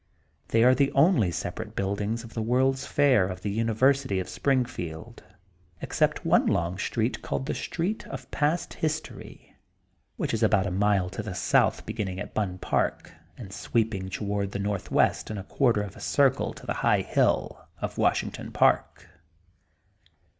They are the only separate build ings of the World 's Fair of the University of Springfield, except one long street called The Street of Past History, *' which is about a mile to the south beginning at 6unn Park and sweeping toward the northwest in a quarter of a circle to the high hill of Wash ington Park.